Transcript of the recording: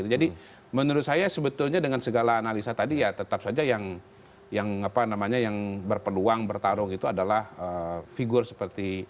jadi menurut saya sebetulnya dengan segala analisa tadi ya tetap saja yang berpeluang bertarung itu adalah figur seperti